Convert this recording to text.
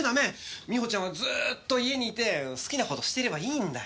みほちゃんはずーっと家にいて好きなことしてればいいんだ。